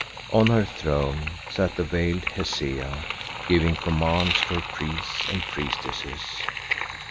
On her throne sat the veiled Hesea, giving commands to her priests and priestesses.